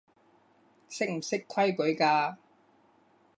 識唔識規矩㗎